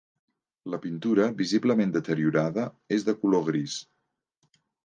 La pintura, visiblement deteriorada, és de color gris.